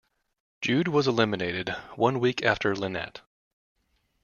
Jude was eliminated one week after Lynette.